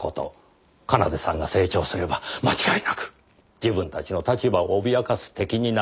奏さんが成長すれば間違いなく自分たちの立場を脅かす敵になる。